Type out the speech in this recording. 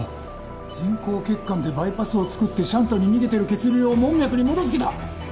人工血管でバイパスを作ってシャントに逃げてる血流を門脈に戻す気だ！